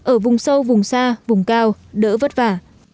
ở vùng sâu vùng xa vùng cao đỡ vất vả